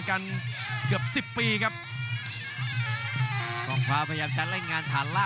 กรุงฝาพัดจินด้า